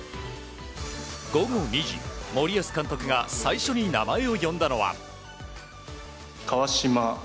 午後２時、森保監督が最初に名前を呼んだのは。